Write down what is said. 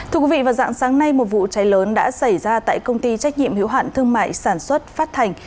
thưa quý vị vào dạng sáng nay một vụ cháy lớn đã xảy ra tại công ty trách nhiệm hiểu hạn thương mại sản xuất phát thành